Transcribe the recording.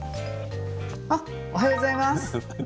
あ、おはようございます。